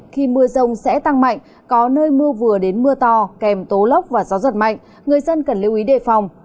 khi mưa rông sẽ tăng mạnh có nơi mưa vừa đến mưa to kèm tố lốc và gió giật mạnh người dân cần lưu ý đề phòng